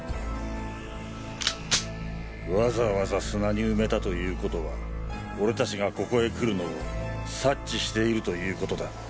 わざわざ砂に埋めたという事は俺達がここへ来るのを察知しているという事だ。